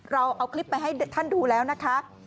เราเอาคลิปไปให้ท่านดูแล้วนะคะ